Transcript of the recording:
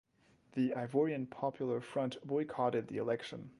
The Ivorian Popular Front boycotted the election.